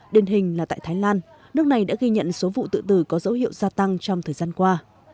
đền hình là tại thái lan nước này đã ghi nhận số vụ tự tử có dấu hiệu gia tăng trong thời gian qua